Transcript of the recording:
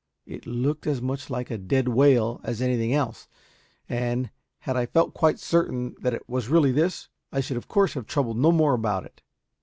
It looked as much like a dead whale as anything else, and had I felt quite certain that it was really this, I should of course have troubled no more about it.